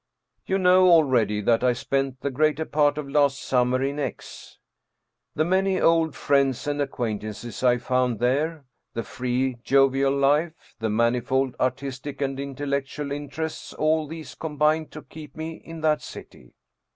You know already that I spent the greater part of last summer in X . The many old friends and acquaint ances I found there, the free, jovial life, the manifold artis tic and intellectual interests all these combined to keep me in that city.